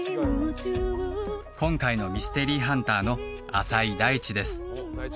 今回のミステリーハンターの朝井大智です